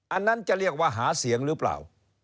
อันนั้นจะเรียกว่าหาเสียงหรือเปล่า